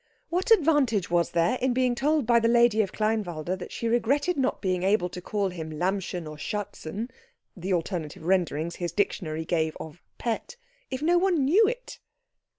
What advantage was there in being told by the lady of Kleinwalde that she regretted not being able to call him Lämmchen or Schätzchen (the alternative renderings his dictionary gave of "pet") if no one knew it?